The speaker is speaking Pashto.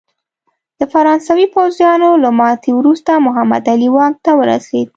د فرانسوي پوځیانو له ماتې وروسته محمد علي واک ته ورسېد.